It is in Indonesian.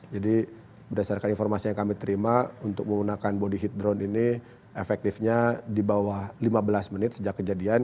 jadi berdasarkan informasi yang kami terima untuk menggunakan body heat drone ini efektifnya di bawah lima belas menit sejak kejadian